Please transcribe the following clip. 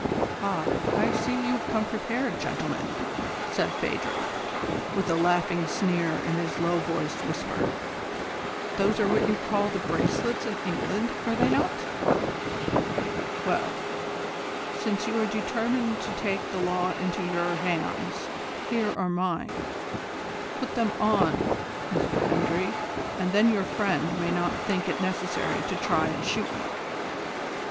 "Ah, I see that you have come prepared, gentlemen!" said Phadrig, with a laughing sneer in his low voiced whisper. "Those are what you call the bracelets in England, are they not? Well, since you are determined to take the law into your hands here are mine. Put them on M. Hendry, and then your friend may not think it necessary to try and shoot me."